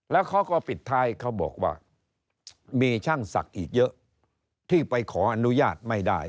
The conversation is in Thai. แล้วเขาก็ปิดท้ายเขาบอกว่ามีช่างศักดิ์อีกเยอะที่ไปขออนุญาตไม่ได้